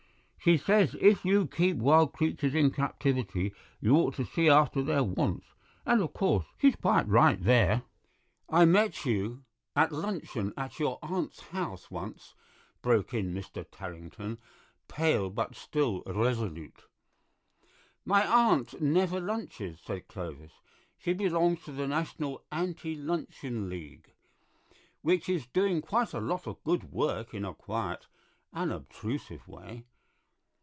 She says if you keep wild creatures in captivity you ought to see after their wants, and of course she's quite right there." "I met you at luncheon at your aunt's house once—" broke in Mr. Tarrington, pale but still resolute. "My aunt never lunches," said Clovis; "she belongs to the National Anti Luncheon League, which is doing quite a lot of good work in a quiet, unobtrusive way.